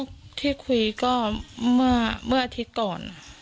อ่าครั้งสุดท้ายที่คุยก็เมื่ออาทิตย์ก่อน